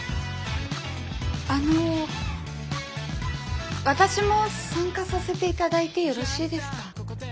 あの私も参加させて頂いてよろしいですか？